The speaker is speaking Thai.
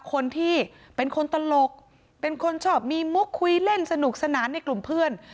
คนที่เป็นคนตลกเป็นคนชอบมีมุกคุยเล่นสนุกสนานในกลุ่มเพื่อน